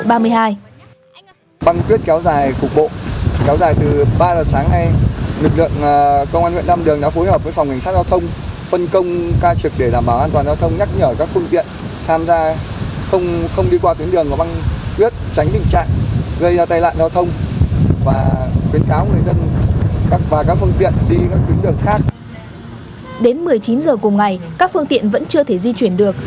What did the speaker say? đến một mươi chín giờ cùng ngày các phương tiện vẫn chưa thể di chuyển được